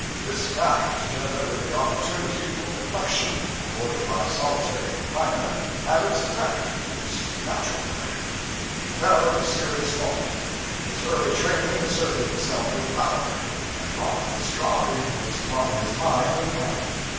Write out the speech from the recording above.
This fact, together with the opportunity for reflection afforded by solitary confinement, had its effect its natural effect. He fell into serious thought; his early training asserted itself with power, and wrought with strong influence upon his mind and heart.